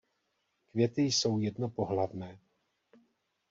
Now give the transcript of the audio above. Květy jsou jednopohlavné.